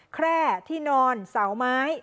แคร่ที่นอนเสาไม้